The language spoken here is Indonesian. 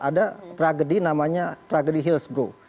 ada tragedi namanya tragedi hillsborough